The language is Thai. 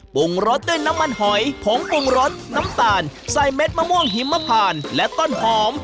ปรุงรสด้วยน้ำมันหอยผงปรุงรสน้ำตาลใส่เม็ดมะม่วงหิมพานและต้นหอม